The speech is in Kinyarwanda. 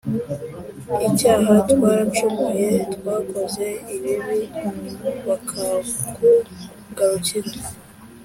icyaha twaracumuye d twakoze ibibi bakakugarukira